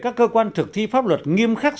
các cơ quan thực thi pháp luật nghiêm khắc